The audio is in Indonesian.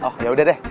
oh yaudah deh